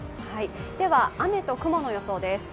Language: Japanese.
では雨と雲の予想です。